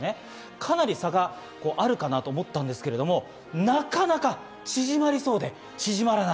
かなり差があるかなと思ったんですけれども、なかなか縮まりそうで縮まらない。